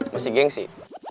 masih geng sih